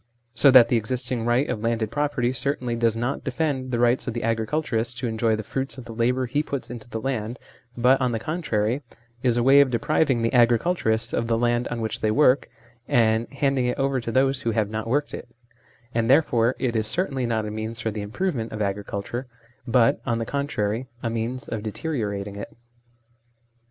So that the existing right of landed property certainly does not defend the rights of the agriculturist to enjoy the fruits of the labour he puts into the land, but, on the con trary, it is a way of depriving the agriculturists of the land on which they work, and handing it over to those who have not worked it ; and there fore it is certainly not a means for the improve ment of agriculture, but, on the contrary, a means of deteriorating it.